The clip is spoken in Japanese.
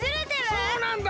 そうなんだ！